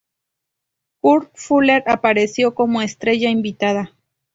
Kurt Fuller apareció como estrella invitada.